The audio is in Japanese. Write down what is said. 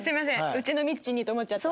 うちのみっちーにと思っちゃった。